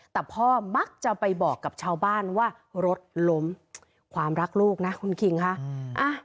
แต่พ่อมักจะไปบอกกับชาวบ้านว่ารถล้มความรักลูกนะคุณคิงค่ะ